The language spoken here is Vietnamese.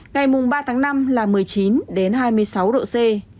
ngày mùng ba tháng năm là một mươi chín hai mươi sáu độ c